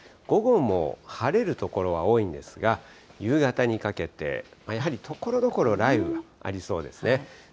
午後も晴れる所は多いんですが、夕方にかけて、やはりところどころ、雷雨がありそうですね。